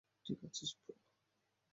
ঠিক আছিস, ব্রো?